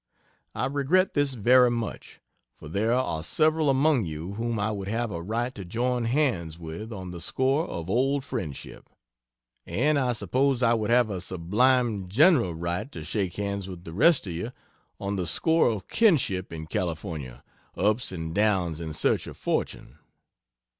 I regret this very much, for there are several among you whom I would have a right to join hands with on the score of old friendship, and I suppose I would have a sublime general right to shake hands with the rest of you on the score of kinship in California ups and downs in search of fortune.